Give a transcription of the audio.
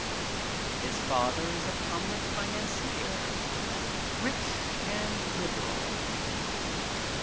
His father is a prominent financier, rich and liberal.